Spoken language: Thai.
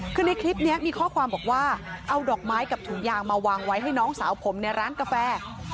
คือในคลิปนี้มีข้อความบอกว่าเอาดอกไม้กับถุงยางมาวางไว้ให้น้องสาวผมในร้านกาแฟ